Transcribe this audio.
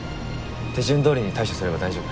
手順どおりに対処すれば大丈夫。